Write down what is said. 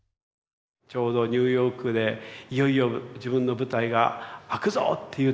ちょうどニューヨークでいよいよ自分の舞台が開くぞという時９・１１。